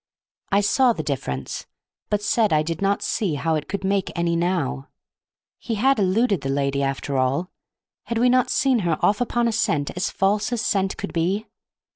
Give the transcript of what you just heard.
I saw the difference, but said I did not see how it could make any now. He had eluded the lady, after all; had we not seen her off upon a scent as false as scent could be?